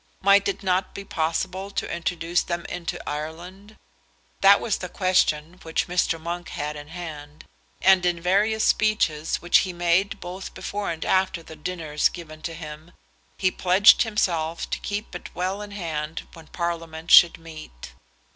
Might it not be possible to introduce them into Ireland? That was the question which Mr. Monk had in hand; and in various speeches which he made both before and after the dinners given to him, he pledged himself to keep it well in hand when Parliament should meet.